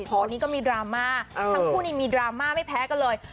ตอนนี้ก็มีดราม่าทั้งคู่นี้มีดราม่าไม่แพ้กันเลย